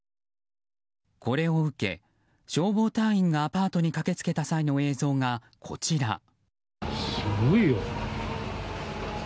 これを受け消防隊員がアパートに駆け付けた際の映像がこちら。